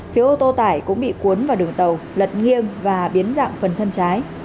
phía ô tô tải cũng bị cuốn vào đường tàu lật nghiêng và biến dạng phần thân trái